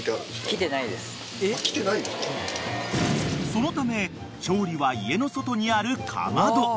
［そのため調理は家の外にあるかまど］